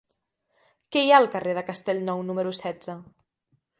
Què hi ha al carrer de Castellnou número setze?